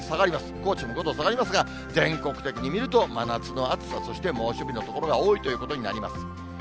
高知も５度下がりますが、全国的に見ると、真夏の暑さ、そして猛暑日の所が多いということになります。